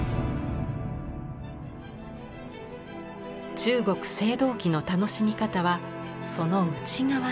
中国青銅器の楽しみ方はその内側にも。